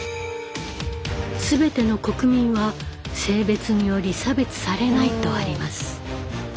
すべての国民は性別により差別されないとあります。